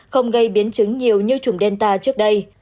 không gây biến chứng nhiều như chủng delta trước đây